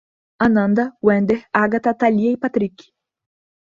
Ananda, Wender, Ágatha, Thalia e Patrik